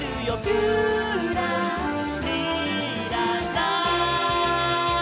「ぴゅらりらら」